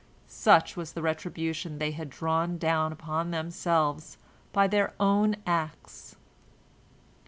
Such was the retribution they had drawn down upon themselves by their own acts.